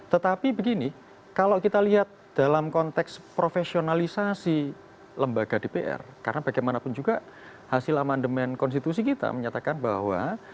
tetapi begini kalau kita lihat dalam konteks profesionalisasi lembaga dpr karena bagaimanapun juga hasil amandemen konstitusi kita menyatakan bahwa